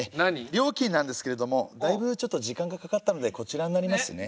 料金なんですけれどもだいぶ時間がかかったのでこちらになりますね。